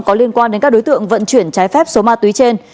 có liên quan đến các đối tượng vận chuyển trái phép số ma túy trên